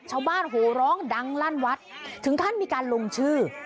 ชาวบ้านโหร้องดังลั่นวัดถึงท่านมีการลงชื่อ